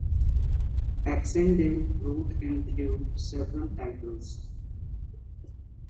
Baxendale wrote and drew several titles.